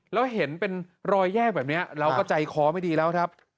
แล้วเห็นเป็นรอยแยกแบบนี้เราก็ใจคอไม่ดีแล้วครับ